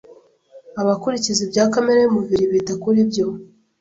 Abakurikiza ibya kamere y'umubiri, bita kuri byo